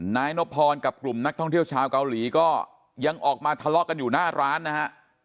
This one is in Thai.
นายนพรกับกลุ่มนักท่องเที่ยวชาวเกาหลีก็ยังออกมาทะเลาะกันอยู่หน้าร้านนะฮะ